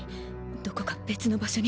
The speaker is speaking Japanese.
どこか別の場所に。